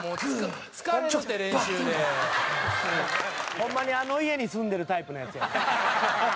ホンマにあの家に住んでるタイプのヤツや。